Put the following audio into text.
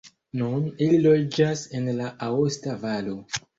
Nun li loĝas en la aosta valo.